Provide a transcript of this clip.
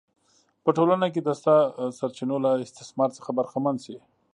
په ټولنه کې د شته سرچینو له استثمار څخه برخمن شي